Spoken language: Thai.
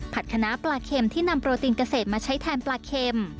คณะปลาเค็มที่นำโปรตีนเกษตรมาใช้แทนปลาเข็ม